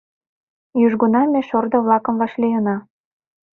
Южгунам ме шордо-влакым вашлийына.